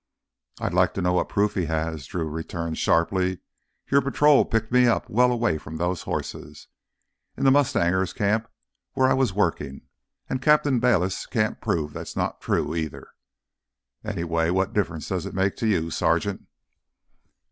"I'd like to know what proof he has," Drew returned sharply. "Your patrol picked me up well away from those horses—in the mustanger camp where I was workin'—and Captain Bayliss can't prove that's not true, either. Anyway, what difference does it make to you, Sergeant?"